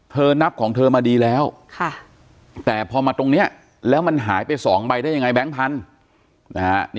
เธอนับของเธอมาดีแล้วแต่พอมาตรงนี้แล้วมันหายไป๒ใบได้อย่างไรแบงค์ทัน